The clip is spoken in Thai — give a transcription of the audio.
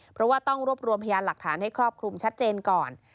เพราะว่าต้องรวบรวมพยานหลักฐานให้ครอบคลุมชัดเจนก่อน